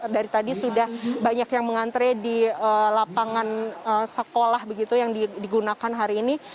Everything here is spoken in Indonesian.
dari tadi sudah banyak yang mengantre di lapangan sekolah begitu yang digunakan hari ini